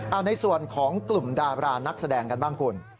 เอาในส่วนของกลุ่มดารานักแสดงกันบ้างคุณ